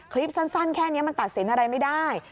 คลิปสั้นแค่นี้มันตัดสินอะไรไม่ได้